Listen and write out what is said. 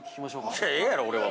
◆いや、ええやろ俺は。